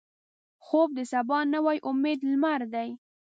خوب د سبا نوې امیدي لمر دی